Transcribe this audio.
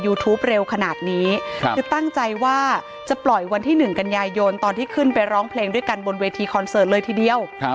เร็วขนาดนี้คือตั้งใจว่าจะปล่อยวันที่๑กันยายนตอนที่ขึ้นไปร้องเพลงด้วยกันบนเวทีคอนเสิร์ตเลยทีเดียว